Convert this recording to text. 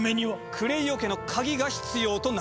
クレイオ家の鍵が必要となる。